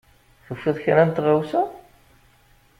Tufiḍ kra n tɣawsa?